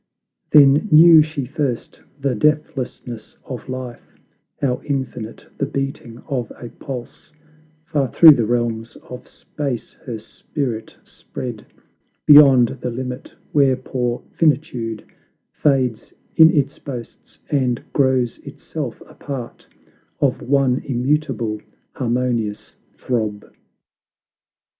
Then knew she first the deathlessness of life; How infinite the beating of a pulse; Far through the realms of space her spirit spread, 16 tbe Divine enchantment Beyond the limit where poor finitude Fades in its boasts, and grows itself a part Of one immutable, harmonious throb!